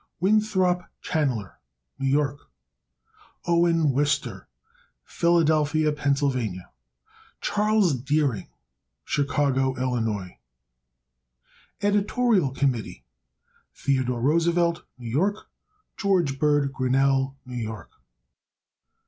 Winthrop Chanler, New York. Owen Wister, Philadelphia, Pa. Charles Deering, Chicago, Ill. Editorial Committee. Theodore Roosevelt, New York. George Bird Grinnell, New York.